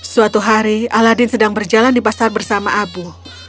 suatu hari aladin sedang berjalan di pasar bersama abu